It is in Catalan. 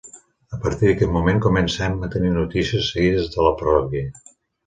A partir d'aquest moment comencem a tenir notícies seguides de la parròquia.